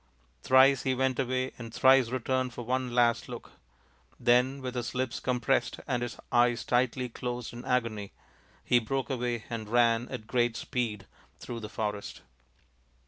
Thrice he went away and thrice returned for one last look. Then, with his lips compressed and his eyes tightly closed in agony, he broke away and ran at great speed through the forest.